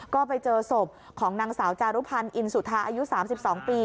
ก็ไปเจอศพของนางสาวจารุพันธ์อินสุธาอายุ๓๒ปี